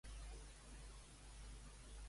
De quina creença prové Ino?